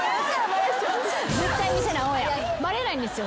バレないんですよ